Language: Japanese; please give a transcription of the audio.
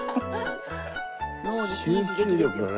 脳にいい刺激ですよ。